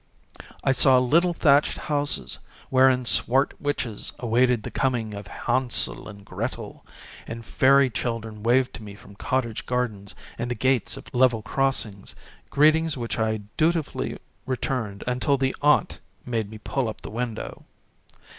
I saw little thatched houses wherein swart witches awaited the coming of Hansel and Gretel, and fairy children waved to me from cottage gardens and the gates of level crossings, greetings which I dutifully returned until the aunt made me pull up the window.